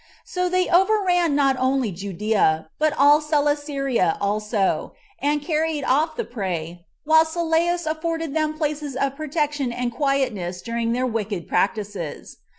So they overran not only Judea, but all Celesyria also, and carried off the prey, while Sylleus afforded them places of protection and quietness during their wicked practices.